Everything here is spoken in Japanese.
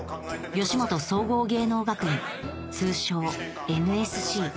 吉本総合芸能学院通称ＮＳＣ